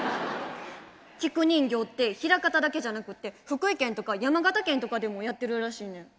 菊人形って枚方だけじゃなくって福井県とか山形県とかでもやってるらしいねん。